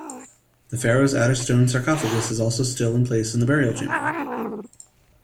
The pharaoh's outer stone sarcophagus is also still in place in the burial chamber.